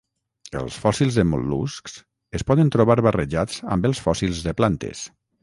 Els fòssils de mol·luscs es poden trobar barrejats amb els fòssils de plantes.